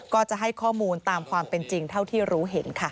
ก็จะให้ข้อมูลตามความเป็นจริงเท่าที่รู้เห็นค่ะ